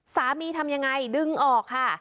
ทำยังไงดึงออกค่ะ